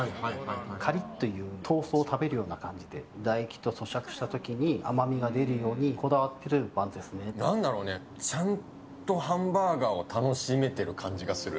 かりっという、トーストを食べるような感じで、唾液とそしゃくしたときに、甘みが出るようにこだわってるバなんだろうね、ちゃんとハンバーガーを楽しめてる感じがする。